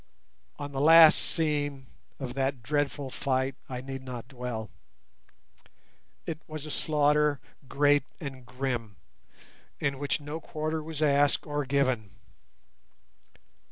On the last scene of that dreadful fight I need not dwell. It was a slaughter great and grim, in which no quarter was asked or given.